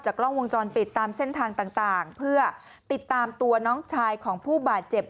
กล้องวงจรปิดตามเส้นทางต่างเพื่อติดตามตัวน้องชายของผู้บาดเจ็บ